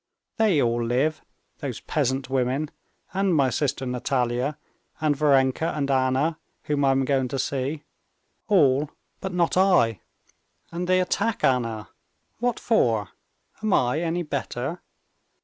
They all live; those peasant women and my sister Natalia and Varenka and Anna, whom I am going to see—all, but not I. "And they attack Anna. What for? am I any better?